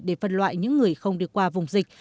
để phân loại những người không được qua vùng dịch